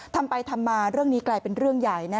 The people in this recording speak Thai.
ทำไปทำมาเรื่องนี้กลายเป็นเรื่องใหญ่